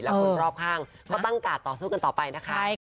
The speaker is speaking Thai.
และคนรอบข้างก็ตั้งการต่อสู้กันต่อไปนะคะ